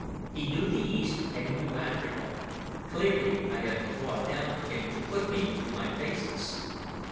He knew the East and he knew Africa; clearly I had been brought down for him to put me through my paces.